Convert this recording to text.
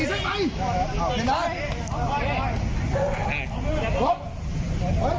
ตำรวจตำรวจ